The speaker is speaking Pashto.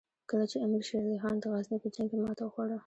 کله چې امیر شېر علي خان د غزني په جنګ کې ماته وخوړه.